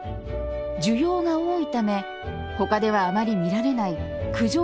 需要が多いためほかではあまり見られない九条